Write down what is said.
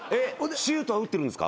シュートは打ってるんですか？